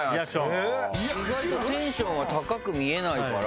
意外とテンションは高く見えないから。